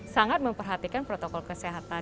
sangat memperhatikan protokol kesehatan